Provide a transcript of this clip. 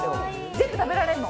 全部食べられんの！